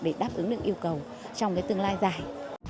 để đáp ứng được yêu cầu trong cái tương lai dài